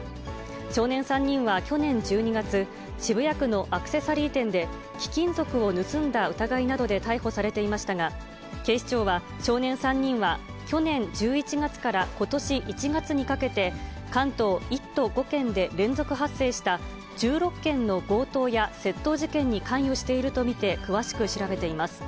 少年３人は去年１２月、渋谷区のアクセサリー店で、貴金属を盗んだ疑いなどで逮捕されていましたが、警視庁は少年３人は去年１１月からことし１月にかけて、関東１都５県で連続発生した１６件の強盗や窃盗事件に関与していると見て、詳しく調べています。